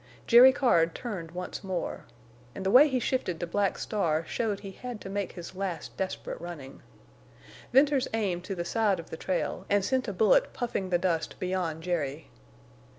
Jerry Card turned once more. And the way he shifted to Black Star showed he had to make his last desperate running. Venters aimed to the side of the trail and sent a bullet puffing the dust beyond Jerry.